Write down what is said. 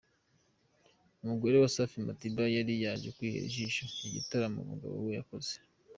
Umugore wa safi Madiba yari yaje kwihera ijisho igitaramo umugabo we yakoze .